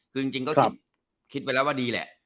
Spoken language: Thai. คือจริงก็คิดไว้แล้วว่าดีแหละ